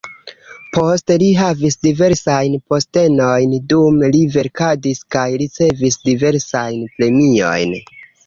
Poste li havis diversajn postenojn, dume li verkadis kaj ricevis diversajn premiojn.